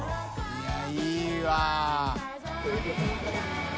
い筺いいわ。